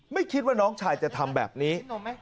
ไม่คิดว่าน้องชายจะทำแบบนี้